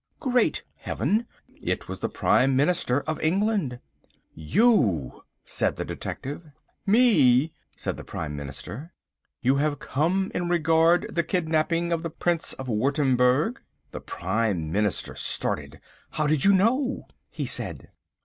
Great Heaven! It was the Prime Minister of England. "You!" said the detective. "Me," said the Prime Minister. "You have come in regard the kidnapping of the Prince of Wurttemberg?" The Prime Minister started. "How do you know?" he said.